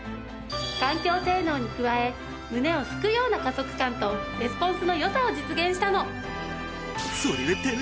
環境性能に加え胸をすくような加速感とレスポンスの良さを実現したの。